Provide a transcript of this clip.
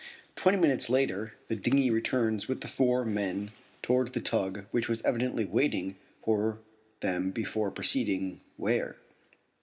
Twenty minutes later the dinghy returns with the four men towards the tug which was evidently waiting for them before proceeding where?